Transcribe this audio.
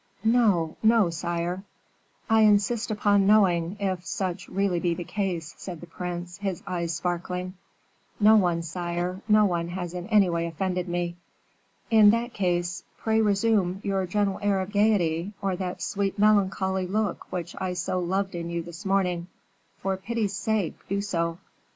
"No, no, sire." "I insist upon knowing if such really be the case," said the prince, his eyes sparkling. "No one, sire, no one has in any way offended me." "In that case, pray resume your gentle air of gayety, or that sweet melancholy look which I so loved in you this morning; for pity's sake, do so."